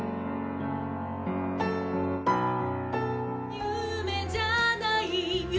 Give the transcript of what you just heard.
「夢じゃない」「夢」